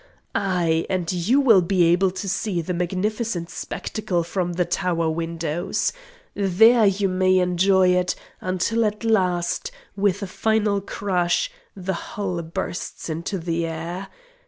Ay! and you will be able to see the magnificent spectacle from the tower windows. There you may enjoy it until at last, with a final crash, the hull bursts into the air.